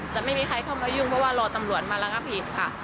จะไม่มีใครเข้ามายุ่งเพราะว่ารอตำรวจมาระงับเหตุค่ะ